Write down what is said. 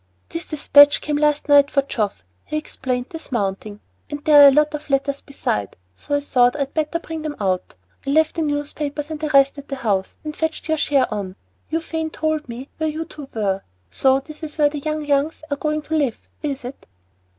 "This despatch came last night for Geoff," he explained, dismounting, "and there were a lot of letters besides, so I thought I'd better bring them out. I left the newspapers and the rest at the house, and fetched your share on. Euphane told me where you two were. So this is where the young Youngs are going to live, is it?"